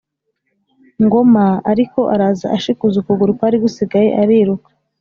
Ngoma ariko araza ashikuza ukuguru kwari gusigaye ariruka,